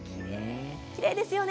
きれいですよね。